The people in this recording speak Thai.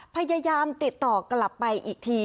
พยายามติดต่อกลับไปอีกที